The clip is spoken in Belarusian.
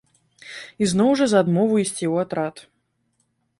Ізноў жа за адмову ісці ў атрад.